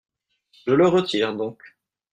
Je le retire donc.